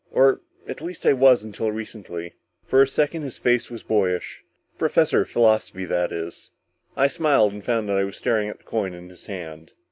"Or at least I was until recently." For a second his face was boyish. "Professor of Philosophy, that is." I smiled and found that I was staring at the coin in his hand.